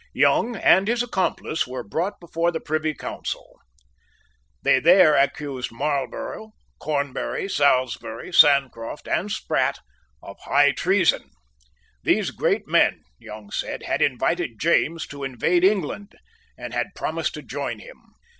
Young and his accomplice were brought before the Privy Council. They there accused Marlborough, Cornbury, Salisbury, Sancroft and Sprat of high treason. These great men, Young said, had invited James to invade England, and had promised to join him.